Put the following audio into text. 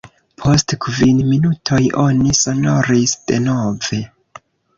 Post kvin minutoj oni sonoris denove.